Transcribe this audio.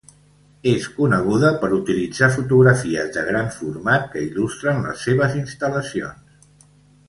És coneguda per utilitzar fotografies de gran format que il·lustren les seves instal·lacions.